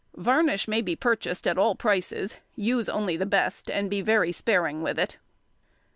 Varnish may be purchased at all prices: use only the best, and be very sparing with it.